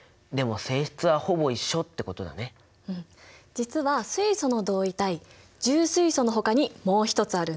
実は水素の同位体重水素のほかにもう一つあるんだ。